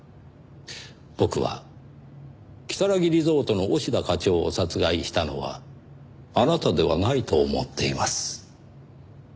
僕は如月リゾートの押田課長を殺害したのはあなたではないと思っています。